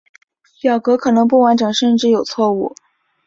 表格可能不完整甚至有错误。